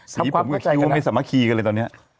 สีผมกับคิ้วไม่สามารถคีกันเลยตอนนี้